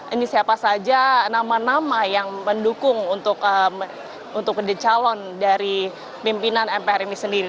ini siapa saja nama nama yang mendukung untuk menjadi calon dari pimpinan mpr ini sendiri